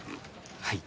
はい。